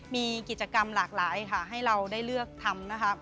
มีกิจกรรมหลากหลายให้เราได้เลือกทำ